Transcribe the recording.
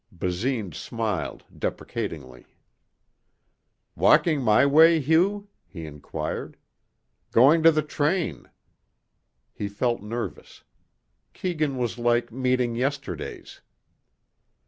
Basine smiled deprecatingly. "Walking my way, Hugh?" he inquired. "Going to the train." He felt nervous. Keegan was like meeting yesterdays.